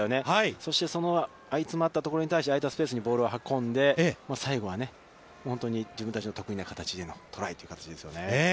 そして、その集まったところに対して相手のスペースにボールを運んで、最後はね、本当に自分たちの得意な形でのトライという形ですよね。